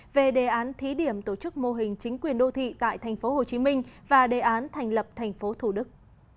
về đề án thí điểm tổ chức mô hình chính quyền đô thị tại tp hcm và đề án thành lập thành phố thủ đức